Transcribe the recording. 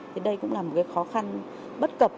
thì đây cũng là một cái khó khăn bất cập